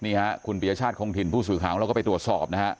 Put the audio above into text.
นี่ค่ะคุณปียชาติของทีมผู้สื่อข่าวเราก็ไปตรวจสอบนะครับ